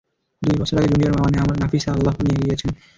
দুই বছর আগে জুনির মা, মানে আমার নাফিসা আল্লাহ নিয়ে গিয়েছেন।